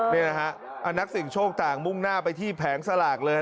นี่นะฮะนักเสียงโชคต่างมุ่งหน้าไปที่แผงสลากเลย